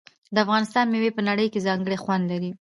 د افغانستان میوې په نړۍ کې ځانګړی خوند لري.